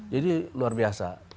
jadi luar biasa